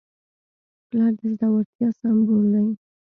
پلار د زړورتیا سمبول دی.